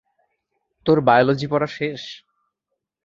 তোর বায়োলজি পড়া শেষ?